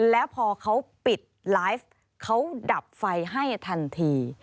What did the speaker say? แล้วพอเขาปิดไลฟ์เขาดับไฟให้ทันที